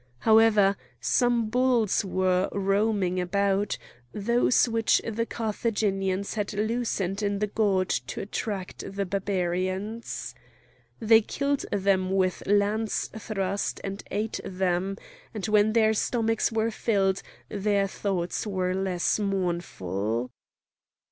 However, some bulls were roaming about, those which the Carthaginians had loosed in the gorge to attract the Barbarians. They killed them with lance thrusts and ate them, and when their stomachs were filled their thoughts were less mournful.